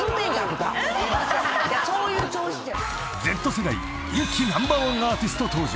［Ｚ世代人気ナンバーワンアーティスト登場］